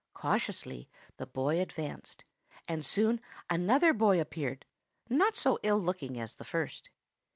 "Cautiously the boy advanced, and soon another boy appeared, not so ill looking as the first.